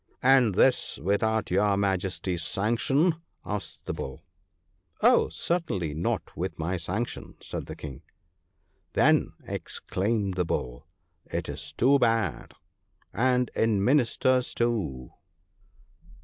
' And this without your Majesty's sanction ?' asked the Bull. ' Oh ! certainly not with my sanction,' said the King. ' Then,' exclaimed the Bull, 'it is too bad: and in Ministers too